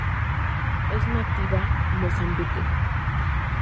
Es nativa Mozambique.